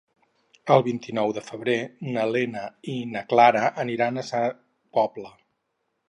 El vint-i-nou de febrer na Lena i na Clara aniran a Sa Pobla.